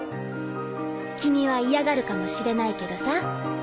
君は嫌がるかもしれないけどさ。